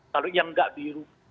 kalau yang nggak di